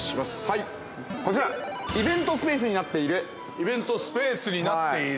イベントスペースになっている。